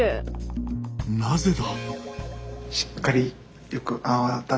なぜだ？